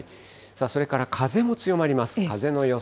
それから風も強まります。